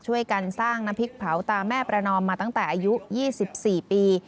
ช่วยกันสร้างน้ำพริกเผาตาแม่ประนอมมาตั้งแต่อายุ๒๔ปี